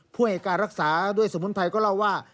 ให้การรักษาด้วยสมุนไพรก็เล่าว่า